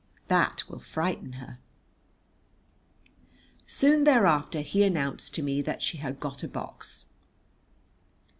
That will frighten her." Soon thereafter he announced to me that she had got a box.